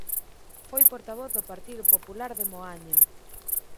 Foi portavoz do Partido Popular de Moaña.